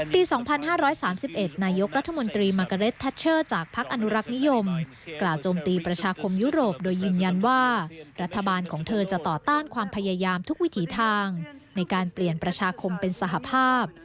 ปี๒๕๓๑นายกรัฐมนตรีมาเกอเร็ดทัชเชอร์จากพักอนุรักษ์นิยมกล่าวโจมตีประชาคมยุโรปโดยยืนยันว่ารัฐบาลของเธอจะต่อต้านความพยายามทุกวิถีทางในการเปลี่ยนประชาคมเป็นสหภาพ